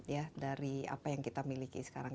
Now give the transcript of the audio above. ya dari apa yang kita miliki sekarang